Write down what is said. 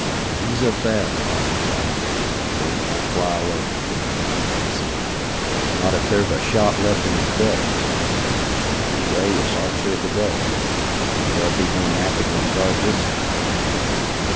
"He's a bad lot," sighed the general. "Wing won't fly away from Kennedy, I fancy." "Not if there's a shot left in his belt," said Blake. "And Ray is officer of the day. There'll be no napping on guard this night."